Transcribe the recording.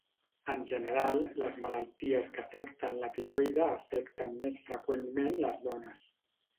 En general, les malalties que afecten la tiroide afecten més freqüentment les dones.